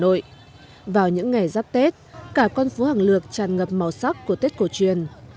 nội vào những ngày giáp tết cả con phố hàng lược tràn ngập màu sắc của tết cổ truyền